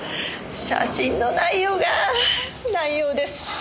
写真の内容が内容ですし。